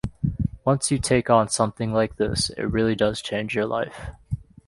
Once you take on something like this, it really does change your life.